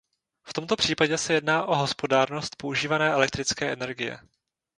V tomto případě se jedná o hospodárnost používané elektrické energie.